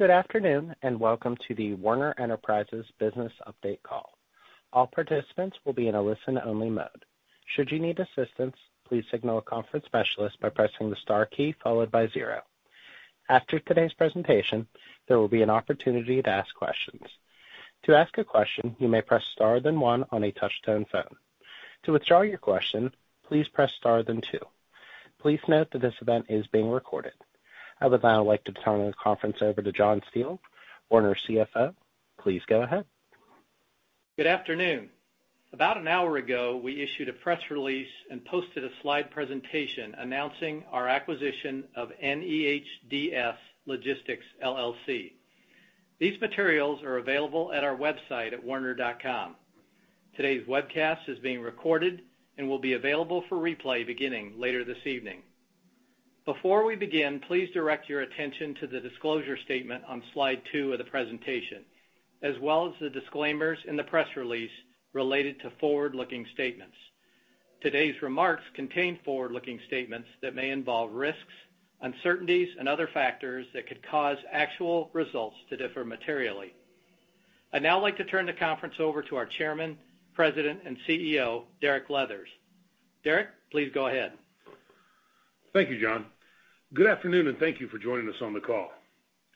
Good afternoon, and welcome to the Werner Enterprises Business Update Call. All participants will be in a listen-only mode. Should you need assistance, please signal a conference specialist by pressing the star key followed by zero. After today's presentation, there will be an opportunity to ask questions. To ask a question, you may press star then one on a touch-tone phone. To withdraw your question, please press star then two. Please note that this event is being recorded. I would now like to turn the conference over to John Steele, Werner CFO. Please go ahead. Good afternoon. About an hour ago, we issued a press release and posted a slide presentation announcing our acquisition of NEHDS Logistics, LLC. These materials are available at our website at werner.com. Today's webcast is being recorded and will be available for replay beginning later this evening. Before we begin, please direct your attention to the disclosure statement on slide two of the presentation, as well as the disclaimers in the press release related to forward-looking statements. Today's remarks contain forward-looking statements that may involve risks, uncertainties, and other factors that could cause actual results to differ materially. I'd now like to turn the conference over to our Chairman, President, and CEO, Derek Leathers. Derek, please go ahead. Thank you, John. Good afternoon, and thank you for joining us on the call.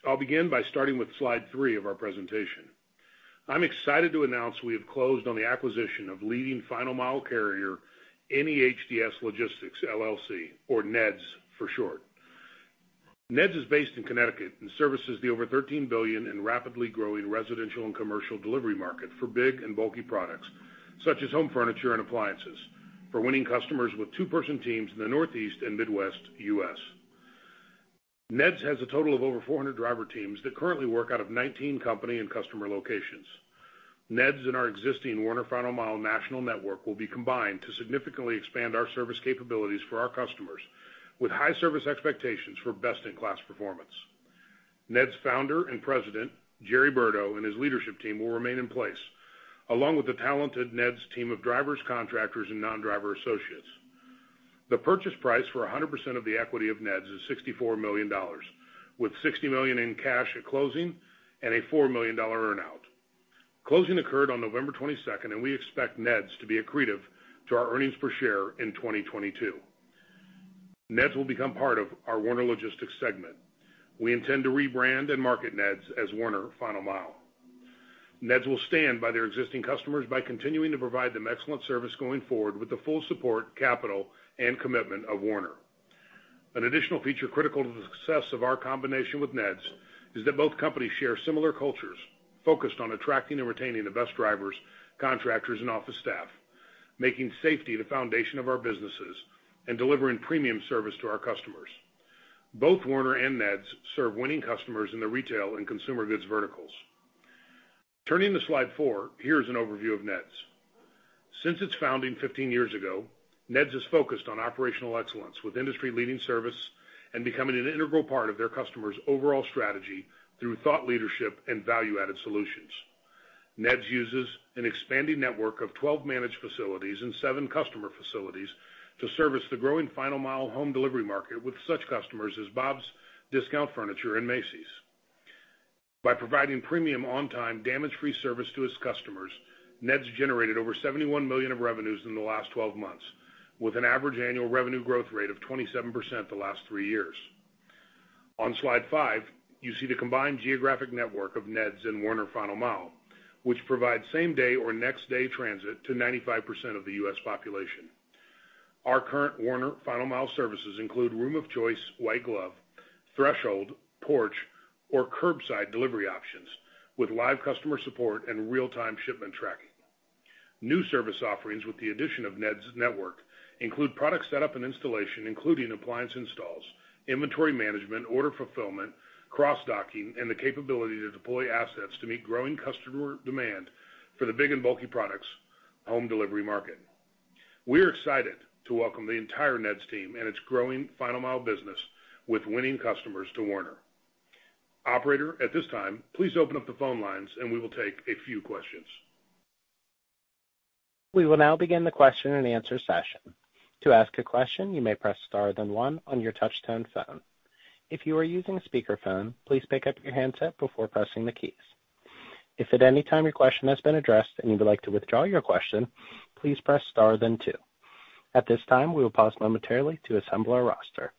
I'll begin by starting with slide 3 of our presentation. I'm excited to announce we have closed on the acquisition of leading Final Mile carrier, NEHDS Logistics, LLC or NEHDS for short. NEHDS is based in Connecticut and services the over $13 billion and rapidly growing residential and commercial delivery market for big and bulky products, such as home furniture and appliances, for winning customers with 2-person teams in the Northeast and Midwest U.S. NEHDS has a total of over 400 driver teams that currently work out of 19 company and customer locations. NEHDS and our existing Werner Final Mile National Network will be combined to significantly expand our service capabilities for our customers with high service expectations for best-in-class performance. NEHDS Founder and President Gerry Burdo and his leadership team will remain in place, along with the talented NEHDS team of drivers, contractors, and non-driver associates. The purchase price for 100% of the equity of NEHDS is $64 million, with $60 million in cash at closing and a $4 million earn-out. Closing occurred on November 22, and we expect NEHDS to be accretive to our earnings per share in 2022. NEHDS will become part of our Werner Logistics segment. We intend to rebrand and market NEHDS as Werner Final Mile. NEHDS will stand by their existing customers by continuing to provide them excellent service going forward with the full support, capital, and commitment of Werner. An additional feature critical to the success of our combination with NEHDS is that both companies share similar cultures focused on attracting and retaining the best drivers, contractors, and office staff, making safety the foundation of our businesses and delivering premium service to our customers. Both Werner and NEHDS serve winning customers in the retail and consumer goods verticals. Turning to slide 4, here's an overview of NEHDS. Since its founding 15 years ago, NEHDS has focused on operational excellence with industry-leading service and becoming an integral part of their customers' overall strategy through thought leadership and value-added solutions. NEHDS uses an expanding network of 12 managed facilities and 7 customer facilities to service the growing final mile home delivery market with such customers as Bob's Discount Furniture and Macy's. By providing premium on-time damage-free service to its customers, NEHDS generated over $71 million of revenues in the last 12 months, with an average annual revenue growth rate of 27% the last 3 years. On slide 5, you see the combined geographic network of NEHDS and Werner Final Mile, which provides same day or next day transit to 95% of the U.S. population. Our current Werner Final Mile services include room of choice, White Glove, threshold, porch, or curbside delivery options with live customer support and real-time shipment tracking. New service offerings with the addition of NEHDS network include product setup and installation, including appliance installs, inventory management, order fulfillment, cross-docking, and the capability to deploy assets to meet growing customer demand for the big and bulky products home delivery market. We are excited to welcome the entire NEHDS team and its growing Final Mile business with winning customers to Werner. Operator, at this time, please open up the phone lines and we will take a few questions. We will now begin the question and answer session. To ask a question, you may press star then one on your touch-tone phone. If you are using a speakerphone, please pick up your handset before pressing the keys. If at any time your question has been addressed and you would like to withdraw your question, please press star then two. At this time, we will pause momentarily to assemble our roster.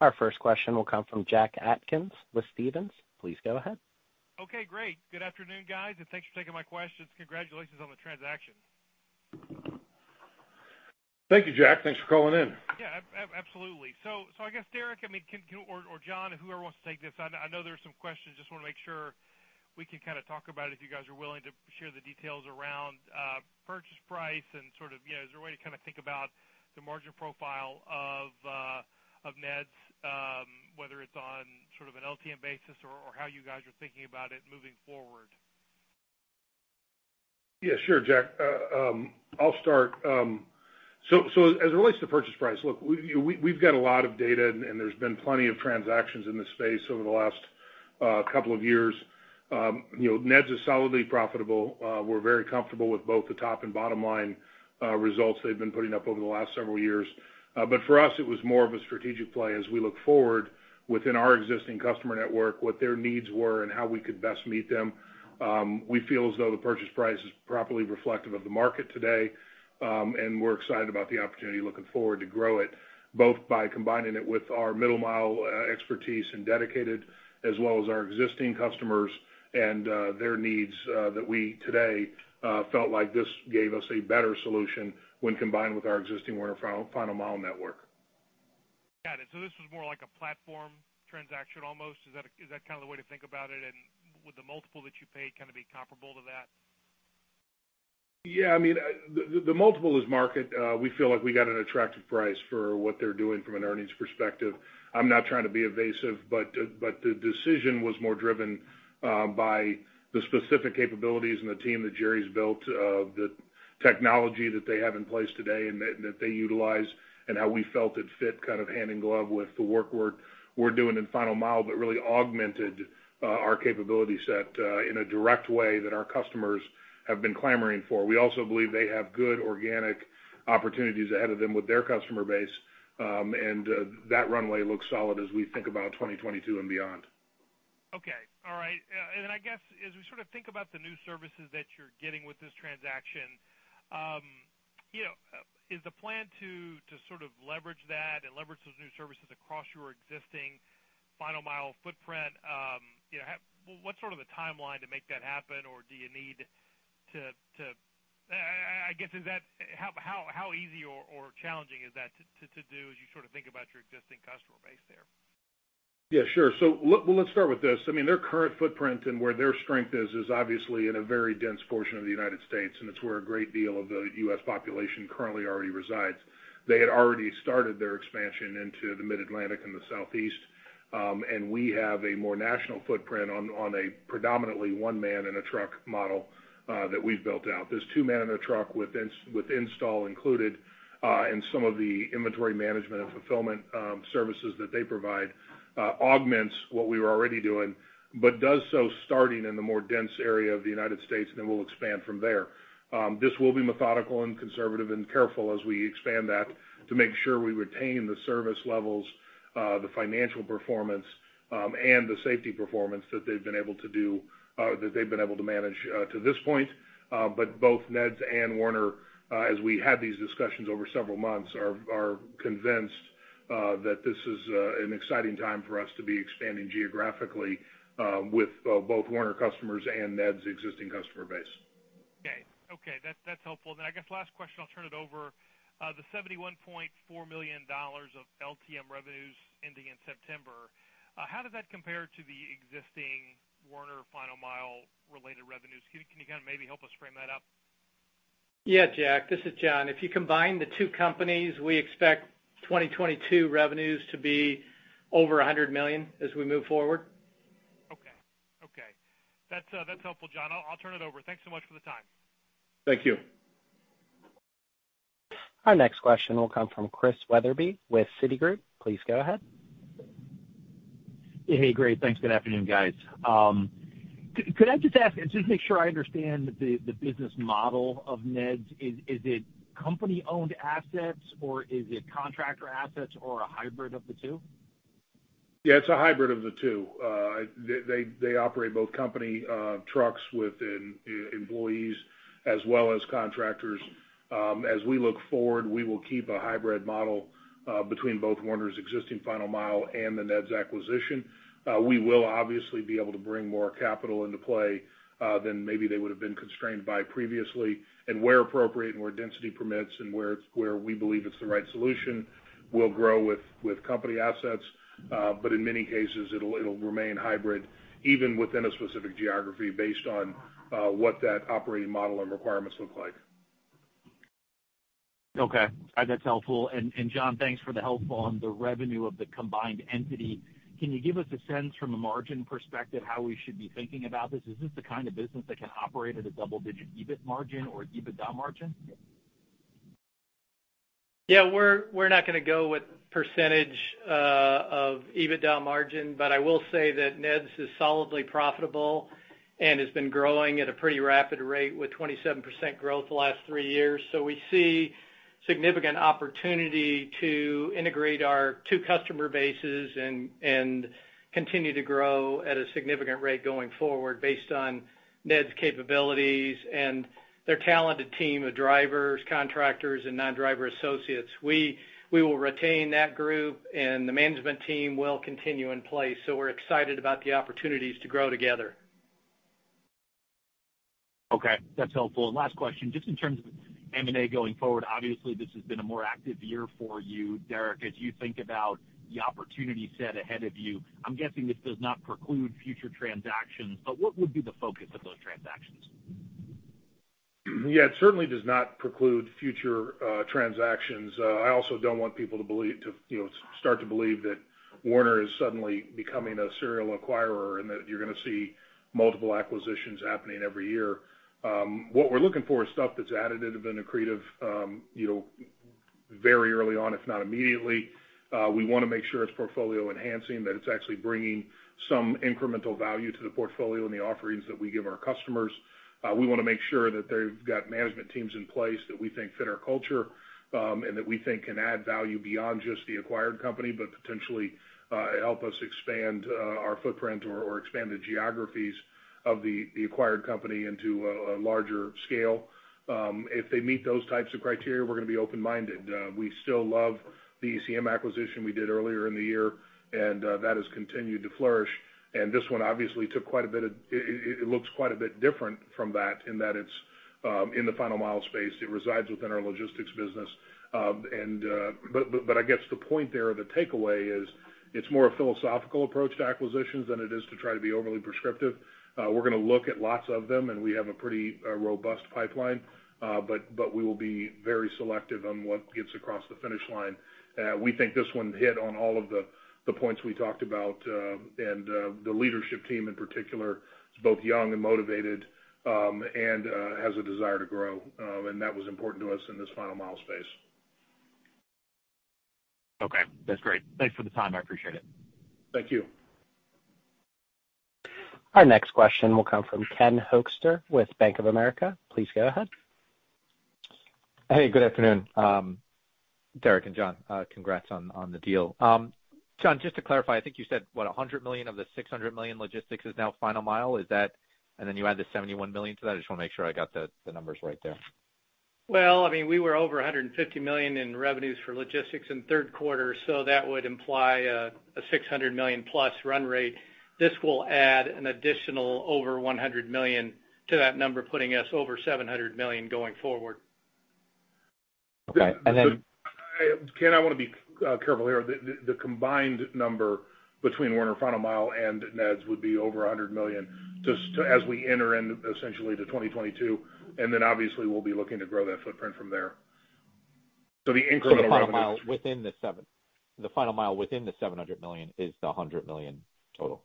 Our first question will come from Jack Atkins with Stephens. Please go ahead. Okay, great. Good afternoon, guys, and thanks for taking my questions. Congratulations on the transaction. Thank you, Jack. Thanks for calling in. Yeah, absolutely. I guess, Derek, I mean, can – or John, whoever wants to take this. I know there's some questions, just wanna make sure we can kinda talk about if you guys are willing to share the details around purchase price and sort of, you know, is there a way to kinda think about the margin profile of NEHDS, whether it's on sort of an LTM basis or how you guys are thinking about it moving forward? Yeah, sure, Jack. I'll start. So as it relates to purchase price, look, we've got a lot of data and there's been plenty of transactions in this space over the last a couple of years. You know, NEHDS is solidly profitable. We're very comfortable with both the top and bottom line results they've been putting up over the last several years. But for us, it was more of a strategic play as we look forward within our existing customer network, what their needs were and how we could best meet them. We feel as though the purchase price is properly reflective of the market today, and we're excited about the opportunity, looking forward to grow it, both by combining it with our middle mile expertise and dedicated as well as our existing customers and their needs that we today felt like this gave us a better solution when combined with our existing Werner Final Mile network. Got it. This was more like a platform transaction almost. Is that, is that kinda the way to think about it? Would the multiple that you pay kinda be comparable to that? Yeah. I mean, the multiple is market. We feel like we got an attractive price for what they're doing from an earnings perspective. I'm not trying to be evasive, but the decision was more driven by the specific capabilities and the team that Jerry's built, of the technology that they have in place today and that they utilize, and how we felt it fit kind of hand in glove with the work we're doing in Final Mile but really augmented our capability set in a direct way that our customers have been clamoring for. We also believe they have good organic opportunities ahead of them with their customer base, and that runway looks solid as we think about 2022 and beyond. Okay. All right. I guess as we sort of think about the new services that you're getting with this transaction, you know, is the plan to sort of leverage that and leverage those new services across your existing Final Mile footprint? You know, what's sort of the timeline to make that happen? Or do you need to? I guess how easy or challenging is that to do as you sort of think about your existing customer base there? Yeah, sure. Well, let's start with this. I mean, their current footprint and where their strength is obviously in a very dense portion of the United States, and it's where a great deal of the U.S. population currently already resides. They had already started their expansion into the Mid-Atlantic and the Southeast. We have a more national footprint on a predominantly one man and a truck model that we've built out. There's two men in a truck with install included, and some of the inventory management and fulfillment services that they provide augments what we were already doing, but does so starting in the more dense area of the United States, then we'll expand from there. This will be methodical and conservative and careful as we expand that to make sure we retain the service levels, the financial performance, and the safety performance that they've been able to manage to this point. Both NEHDS and Werner, as we had these discussions over several months, are convinced that this is an exciting time for us to be expanding geographically with both Werner customers and NEHDS's existing customer base. Okay. That's helpful. I guess last question, I'll turn it over. The $71.4 million of LTM revenues ending in September, how does that compare to the existing Werner Final Mile related revenues? Can you kinda maybe help us frame that up? Yeah, Jack, this is John. If you combine the two companies, we expect 2022 revenues to be over $100 million as we move forward. Okay. That's helpful, John. I'll turn it over. Thanks so much for the time. Thank you. Our next question will come from Christian Wetherbee with Citigroup. Please go ahead. Hey. Great, thanks. Good afternoon, guys. Could I just ask and just make sure I understand the business model of NEHDS? Is it company-owned assets, or is it contractor assets or a hybrid of the two? Yeah, it's a hybrid of the two. They operate both company trucks with employees as well as contractors. As we look forward, we will keep a hybrid model between both Werner's existing Final Mile and the NEHDS acquisition. We will obviously be able to bring more capital into play than maybe they would have been constrained by previously. Where appropriate and where density permits and where we believe it's the right solution, we'll grow with company assets. In many cases, it'll remain hybrid even within a specific geography based on what that operating model and requirements look like. Okay. That's helpful. John, thanks for the help on the revenue of the combined entity. Can you give us a sense from a margin perspective, how we should be thinking about this? Is this the kind of business that can operate at a double-digit EBIT margin or EBITDA margin? Yeah. We're not gonna go with percentage of EBITDA margin, but I will say that NEHDS is solidly profitable and has been growing at a pretty rapid rate with 27% growth the last three years. We see significant opportunity to integrate our two customer bases and continue to grow at a significant rate going forward based on NEHDS's capabilities and their talented team of drivers, contractors, and non-driver associates. We will retain that group, and the management team will continue in place, so we're excited about the opportunities to grow together. Okay, that's helpful. Last question, just in terms of M&A going forward, obviously, this has been a more active year for you, Derek. As you think about the opportunity set ahead of you, I'm guessing this does not preclude future transactions, but what would be the focus of those transactions? Yeah, it certainly does not preclude future transactions. I also don't want people, you know, to start to believe that Werner is suddenly becoming a serial acquirer and that you're gonna see multiple acquisitions happening every year. What we're looking for is stuff that's additive and accretive, you know, very early on, if not immediately. We wanna make sure it's portfolio enhancing, that it's actually bringing some incremental value to the portfolio and the offerings that we give our customers. We wanna make sure that they've got management teams in place that we think fit our culture, and that we think can add value beyond just the acquired company, but potentially help us expand our footprint or expand the geographies of the acquired company into a larger scale. If they meet those types of criteria, we're gonna be open-minded. We still love the ECM acquisition we did earlier in the year, and that has continued to flourish. This one obviously looks quite a bit different from that in that it's in the final mile space, it resides within our logistics business. I guess the point there or the takeaway is it's more a philosophical approach to acquisitions than it is to try to be overly prescriptive. We're gonna look at lots of them, and we have a pretty robust pipeline. We will be very selective on what gets across the finish line. We think this one hit on all of the points we talked about. The leadership team, in particular, is both young and motivated, and has a desire to grow. That was important to us in this Final Mile space. Okay, that's great. Thanks for the time. I appreciate it. Thank you. Our next question will come from Ken Hoexter with Bank of America. Please go ahead. Hey, good afternoon. Derek and John, congrats on the deal. John, just to clarify, I think you said, what, $100 million of the $600 million Logistics is now Final Mile. Is that. Then you add the $71 million to that. I just wanna make sure I got the numbers right there. Well, I mean, we were over $150 million in revenues for logistics in Q3, so that would imply a $600 million+ run rate. This will add an additional over $100 million to that number, putting us over $700 million going forward. Okay. Ken, I wanna be careful here. The combined number between Werner Final Mile and NEHDS would be over $100 million just as we enter in essentially to 2022, and then obviously we'll be looking to grow that footprint from there. The incremental revenue- The Final Mile within the $700 million is the $100 million total.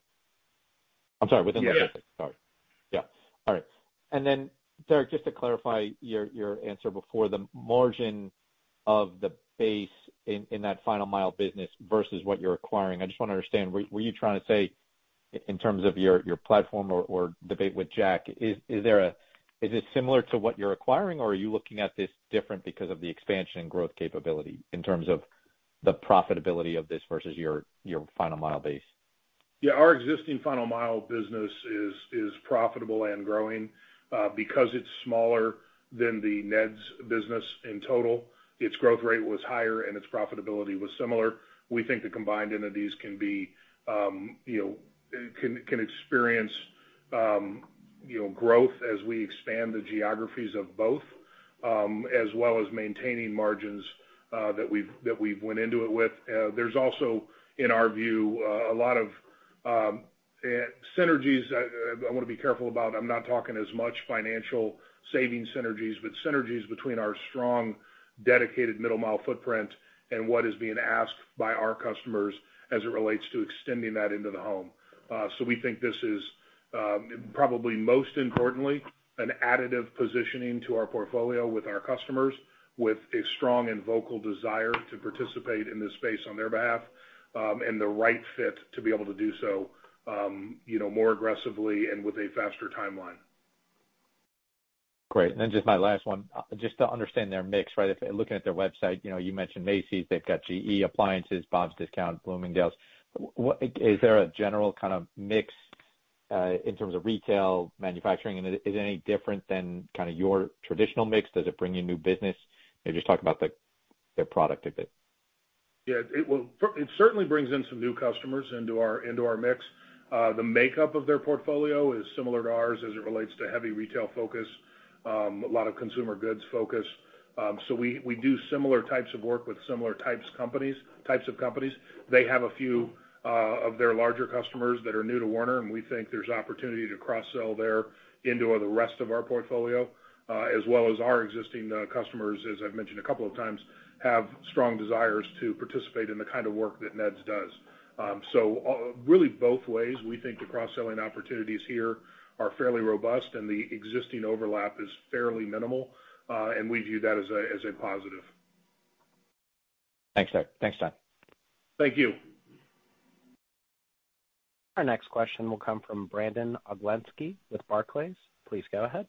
I'm sorry, within the- Yeah. Sorry. Yeah. All right. Then, Derek, just to clarify your answer before, the margin of the base in that Final Mile business versus what you're acquiring, I just wanna understand. Were you trying to say in terms of your platform or debate with Jack, is there a? Is it similar to what you're acquiring, or are you looking at this different because of the expansion and growth capability in terms of the profitability of this versus your Final Mile base? Yeah, our existing Final Mile business is profitable and growing. Because it's smaller than the NEHDS business in total, its growth rate was higher and its profitability was similar. We think the combined entities can be, you know, can experience, you know, growth as we expand the geographies of both, as well as maintaining margins that we've went into it with. There's also, in our view, a lot of synergies. I wanna be careful about, I'm not talking as much financial savings synergies, but synergies between our strong, dedicated middle mile footprint and what is being asked by our customers as it relates to extending that into the home. We think this is, probably most importantly, an additive positioning to our portfolio with our customers with a strong and vocal desire to participate in this space on their behalf, and the right fit to be able to do so, you know, more aggressively and with a faster timeline. Great. Just my last one, just to understand their mix, right? If looking at their website, you know, you mentioned Macy's, they've got GE Appliances, Bob's Discount, Bloomingdale's. Is there a general kind of mix in terms of retail manufacturing? Is it any different than kinda your traditional mix? Does it bring you new business? Maybe just talk about their product a bit. Yeah. It certainly brings in some new customers into our mix. The makeup of their portfolio is similar to ours as it relates to heavy retail focus, a lot of consumer goods focus. We do similar types of work with similar types of companies. They have a few of their larger customers that are new to Werner, and we think there's opportunity to cross-sell there into the rest of our portfolio, as well as our existing customers, as I've mentioned a couple of times, have strong desires to participate in the kind of work that NEHDS does. Really both ways, we think the cross-selling opportunities here are fairly robust and the existing overlap is fairly minimal, and we view that as a positive. Thanks, Derek. Thanks, John. Thank you. Our next question will come from Brandon Oglenski with Barclays. Please go ahead.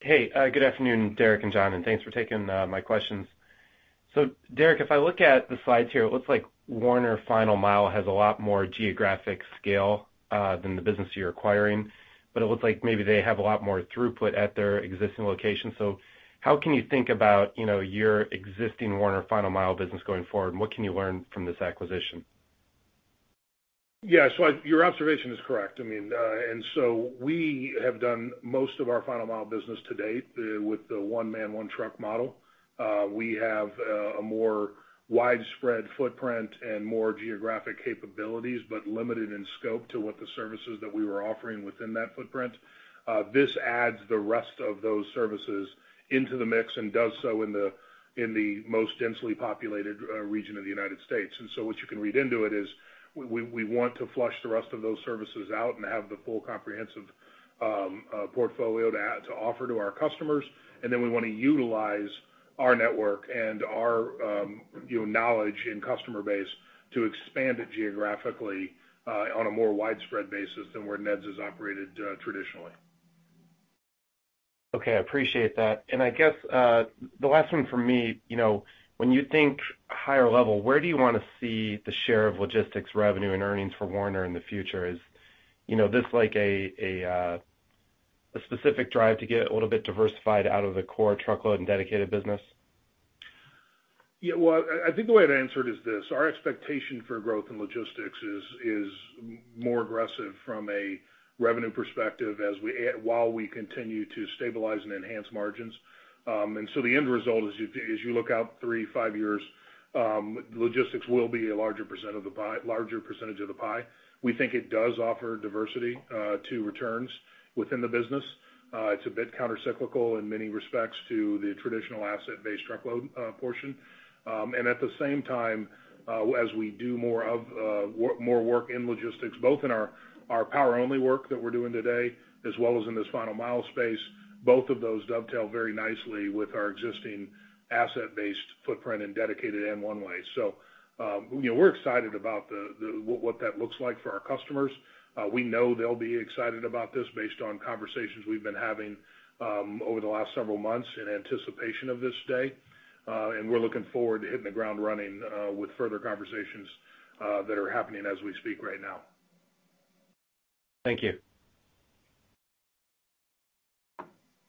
Hey, good afternoon, Derek and John, and thanks for taking my questions. Derek, if I look at the slides here, it looks like Werner Final Mile has a lot more geographic scale than the business you're acquiring, but it looks like maybe they have a lot more throughput at their existing location. How can you think about, you know, your existing Werner Final Mile business going forward? What can you learn from this acquisition? Yeah. Your observation is correct. I mean, we have done most of our Final Mile business to date with the one-man, one-truck model. We have a more widespread footprint and more geographic capabilities, but limited in scope to what the services that we were offering within that footprint. This adds the rest of those services into the mix and does so in the most densely populated region of the United States. What you can read into it is we want to flush the rest of those services out and have the full comprehensive portfolio to offer to our customers. Then we want to utilize our network and our, you know, knowledge and customer base to expand it geographically on a more widespread basis than where NEHDS has operated traditionally. Okay, I appreciate that. I guess the last one for me, you know, when you think higher level, where do you wanna see the share of logistics revenue and earnings for Werner in the future? Is, you know, this like a specific drive to get a little bit diversified out of the core truckload and dedicated business? Yeah. Well, I think the way I'd answer it is this: Our expectation for growth in logistics is more aggressive from a revenue perspective while we continue to stabilize and enhance margins. The end result is as you look out 3-5 years, logistics will be a larger percentage of the pie. We think it does offer diversity to returns within the business. It's a bit countercyclical in many respects to the traditional asset-based truckload portion. At the same time, as we do more work in logistics, both in our power only work that we're doing today, as well as in this final mile space, both of those dovetail very nicely with our existing asset-based footprint and dedicated and one way. You know, we're excited about what that looks like for our customers. We know they'll be excited about this based on conversations we've been having over the last several months in anticipation of this day, and we're looking forward to hitting the ground running with further conversations that are happening as we speak right now. Thank you.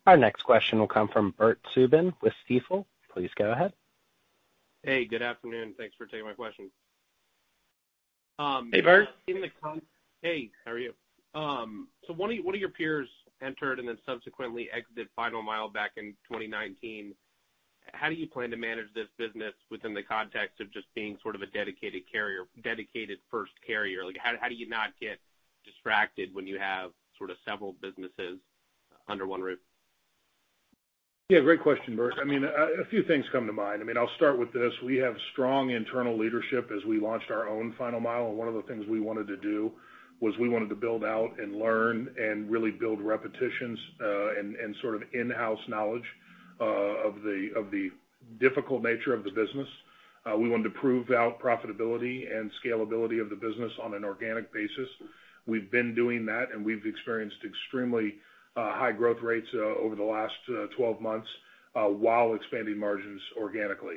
Our next question will come from Bert Subin with Stifel. Please go ahead. Hey, good afternoon. Thanks for taking my question. Hey, Bert. Hey, how are you? One of your peers entered and then subsequently exited Final Mile back in 2019. How do you plan to manage this business within the context of just being sort of a dedicated carrier, dedicated first carrier? Like, how do you not get distracted when you have sort of several businesses under one roof? Yeah, great question, Bert. I mean, a few things come to mind. I mean, I'll start with this. We have strong internal leadership as we launched our own Final Mile, and one of the things we wanted to do was we wanted to build out and learn and really build repetitions and sort of in-house knowledge of the difficult nature of the business. We wanted to prove out profitability and scalability of the business on an organic basis. We've been doing that, and we've experienced extremely high growth rates over the last 12 months while expanding margins organically.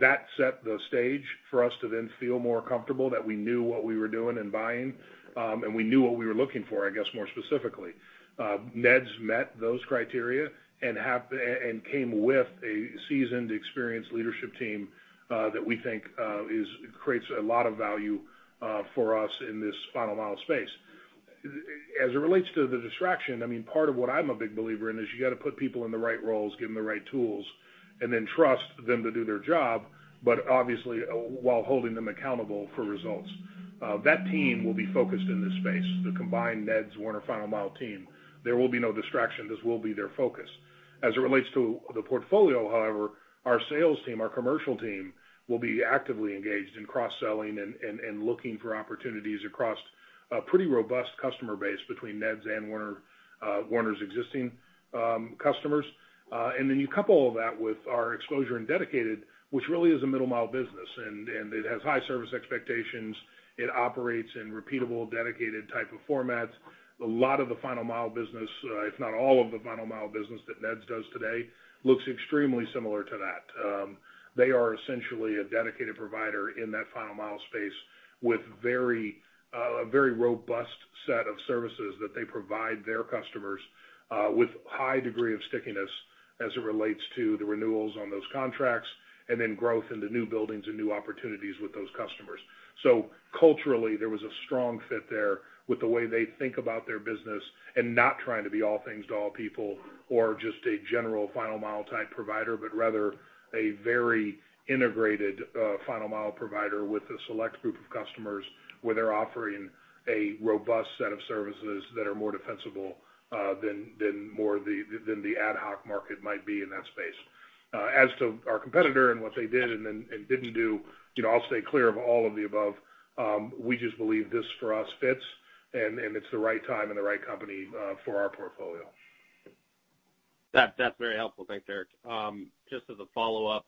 That set the stage for us to then feel more comfortable that we knew what we were doing and buying, and we knew what we were looking for, I guess, more specifically. NEHDS met those criteria and came with a seasoned, experienced leadership team that we think creates a lot of value for us in this Final Mile space. As it relates to the distraction, I mean, part of what I'm a big believer in is you gotta put people in the right roles, give them the right tools, and then trust them to do their job, but obviously, while holding them accountable for results. That team will be focused in this space, the combined NEHDS Werner Final Mile team. There will be no distraction. This will be their focus. As it relates to the portfolio, however, our sales team, our commercial team, will be actively engaged in cross-selling and looking for opportunities across a pretty robust customer base between NEHDS and Werner's existing customers. You couple all that with our exposure and dedicated, which really is a middle mile business, and it has high service expectations. It operates in repeatable, dedicated type of formats. A lot of the final mile business, if not all of the final mile business that NEHDS does today, looks extremely similar to that. They are essentially a dedicated provider in that final mile space with a very robust set of services that they provide their customers, with high degree of stickiness as it relates to the renewals on those contracts, and then growth into new buildings and new opportunities with those customers. Culturally, there was a strong fit there with the way they think about their business and not trying to be all things to all people or just a general Final Mile type provider, but rather a very integrated Final Mile provider with a select group of customers where they're offering a robust set of services that are more defensible than the ad hoc market might be in that space. As to our competitor and what they did and didn't do, you know, I'll stay clear of all of the above. We just believe this, for us, fits and it's the right time and the right company for our portfolio. That's very helpful. Thanks, Eric. Just as a follow-up,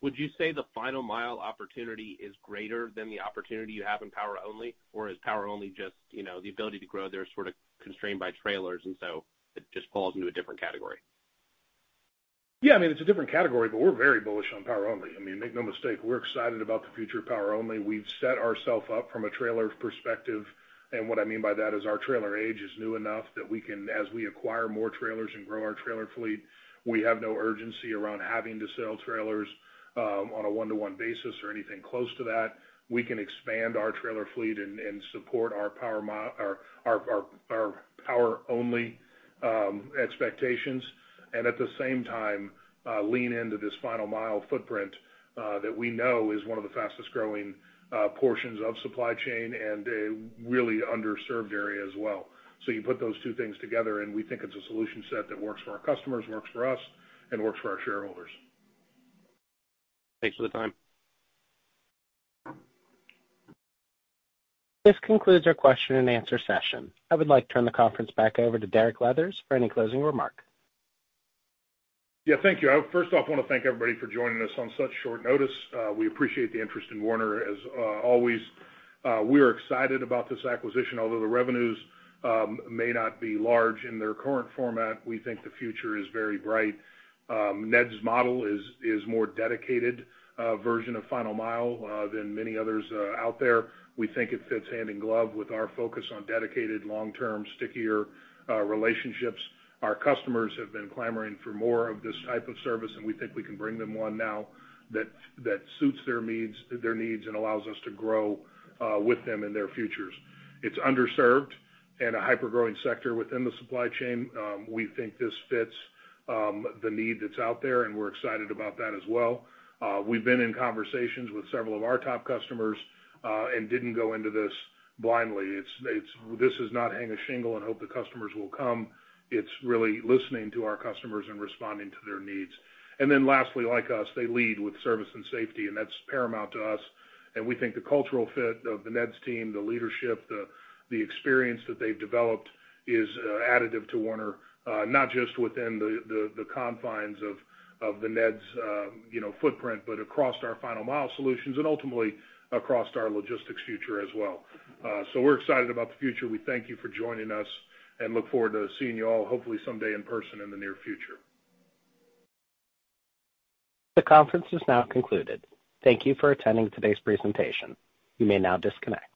would you say the Final Mile opportunity is greater than the opportunity you have in power only? Or is power only just, you know, the ability to grow there is sort of constrained by trailers and so it just falls into a different category? Yeah. I mean, it's a different category, but we're very bullish on power only. I mean, make no mistake, we're excited about the future of power only. We've set ourself up from a trailer perspective, and what I mean by that is our trailer age is new enough that we can, as we acquire more trailers and grow our trailer fleet, we have no urgency around having to sell trailers on a one-to-one basis or anything close to that. We can expand our trailer fleet and support our power only expectations and at the same time lean into this final mile footprint that we know is one of the fastest growing portions of supply chain and a really underserved area as well. You put those two things together, and we think it's a solution set that works for our customers, works for us, and works for our shareholders. Thanks for the time. This concludes our question and answer session. I would like to turn the conference back over to Derek Leathers for any closing remark. Yeah, thank you. I first off wanna thank everybody for joining us on such short notice. We appreciate the interest in Werner as always. We are excited about this acquisition. Although the revenues may not be large in their current format, we think the future is very bright. NEHDS model is more dedicated version of final mile than many others out there. We think it fits hand in glove with our focus on dedicated long-term stickier relationships. Our customers have been clamoring for more of this type of service, and we think we can bring them one now that suits their needs and allows us to grow with them in their futures. It's underserved and a hyper-growing sector within the supply chain. We think this fits the need that's out there, and we're excited about that as well. We've been in conversations with several of our top customers and didn't go into this blindly. This is not hang a shingle and hope the customers will come. It's really listening to our customers and responding to their needs. Lastly, like us, they lead with service and safety, and that's paramount to us. We think the cultural fit of the NEHDS team, the leadership, the experience that they've developed is additive to Werner, not just within the confines of the NEHDS footprint, but across our Final Mile solutions and ultimately across our logistics future as well. You know, we're excited about the future. We thank you for joining us and look forward to seeing you all hopefully someday in person in the near future. The conference is now concluded. Thank you for attending today's presentation. You may now disconnect.